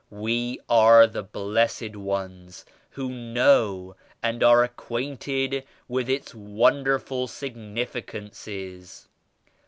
We are the blessed ones who Know and are ac quainted with its wonderful significances.